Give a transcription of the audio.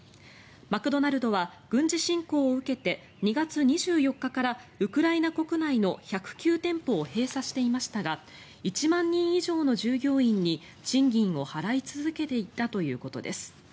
マクドナルドは軍事侵攻を受けて２月２４日からウクライナ国内の１０９店舗を閉鎖していましたが１万人以上の従業員に賃金を払い続けていたということです。